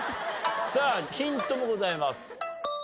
ヒントもございます。